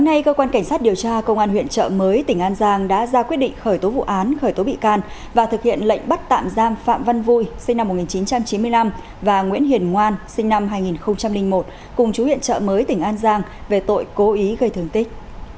hôm nay cơ quan cảnh sát điều tra công an huyện trợ mới tỉnh an giang đã ra quyết định khởi tố vụ án khởi tố bị can và thực hiện lệnh bắt tạm giam phạm văn vui sinh năm một nghìn chín trăm chín mươi năm và nguyễn hiền ngoan sinh năm hai nghìn một cùng chú huyện trợ mới tỉnh an giang về tội cố ý gây thương tích